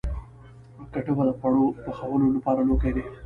کټوه د خواړو پخولو لپاره لوښی دی